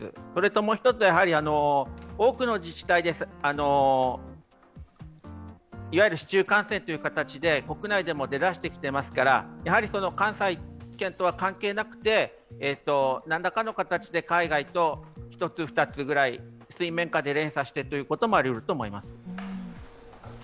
もう一つは、多くの自治体でいわゆる市中感染という形で国内でも出だしてきていますから関西圏とは関係なくて、何らかの形で海外と１つ２つくらい水面下で連鎖してということもあると思います。